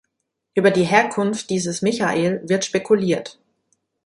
Über die Herkunft dieses Michael wird spekuliert.